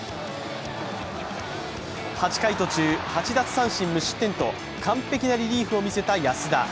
８回途中、８奪三振無失点と完璧なリリーフを見せた安田。